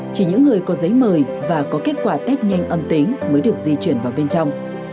chỉ những người có giấy mời và có kết quả test nhanh âm tính mới được di chuyển vào bên trong